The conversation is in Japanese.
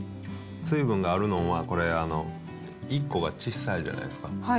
水分があるのは、これ、１個が小さいじゃないですか。